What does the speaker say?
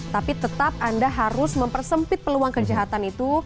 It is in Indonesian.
tapi tetap anda harus mempersempit peluang kejahatan itu